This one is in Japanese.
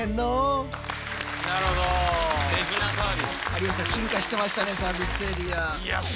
有吉さん進化してましたねサービスエリア。